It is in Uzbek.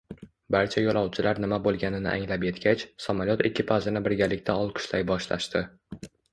Barcha yoʻlovchilar nima boʻlganini anglab yetgach, samolyot ekipajini birgalikda olqishlay boshlashdi…